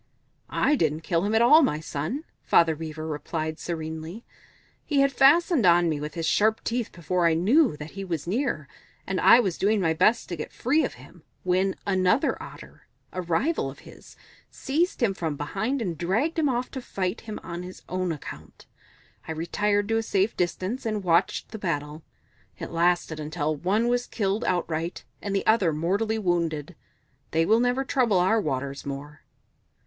"I didn't kill him at all, my son," Father Beaver replied serenely. "He had fastened on me with his sharp teeth before I knew that he was near, and I was doing my best to get free of him when another Otter, a rival of his, seized him from behind and dragged him off to fight him on his own account. I retired to a safe distance and watched the battle. It lasted until one was killed outright and the other mortally wounded. They will never trouble our waters more."